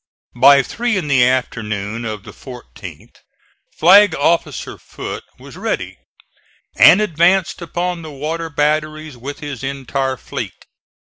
By three in the afternoon of the 14th Flag officer Foote was ready, and advanced upon the water batteries with his entire fleet.